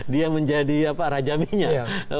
dia menjadi raja minyak